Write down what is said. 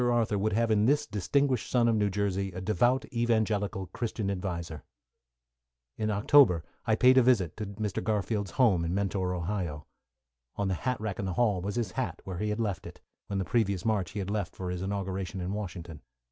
Arthur would have in this distinguished son of New Jersey, a devout, evangelical, Christian adviser. In October I paid a visit, to Mr. Garfield's home in Mentor, Ohio. On the hat rack in the hall was his hat, where he had left it, when the previous March he left for his inauguration in Washington.